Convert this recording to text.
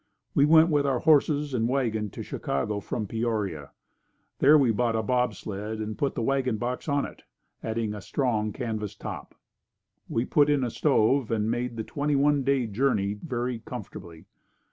We went with our horses and wagon to Chicago from Peoria. There we bought a bobsled and put the wagon box on it, adding a strong canvas top. We put in a stove and made the twenty one day journey very comfortably.